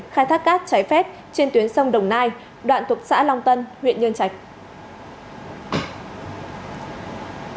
khai thác cát trái phép trên tuyến sông đồng nai đoạn thuộc xã long tân huyện nhân trạch